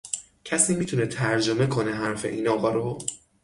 کسی میتونه ترجمه کنه حرف این آقا رو؟